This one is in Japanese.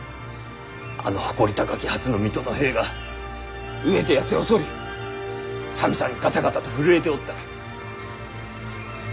あの誇り高きはずの水戸の兵が飢えてやせ細り寒さにガタガタと震えておった。